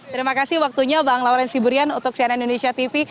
terima kasih waktunya bang lauren siburian untuk cnn indonesia tv